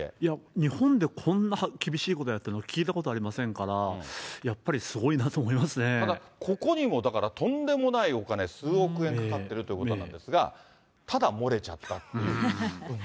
日本でこんな厳しいことやってるの聞いたことありませんから、ただ、ここにもだから、とんでもないお金、数億円かかってるということなんですが、ただ漏れちゃったっていう。